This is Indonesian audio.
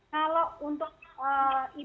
kalau untuk ibu dwi